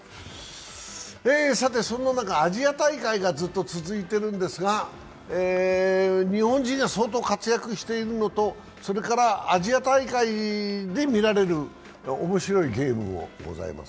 そんな中、アジア大会がずっと続いているんですが、日本人が相当活躍しているのとアジア大会で見られる面白いゲームもございます。